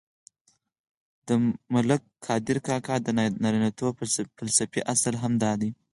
د ملک قادر کاکا د نارینتوب فلسفې اصل هم دادی.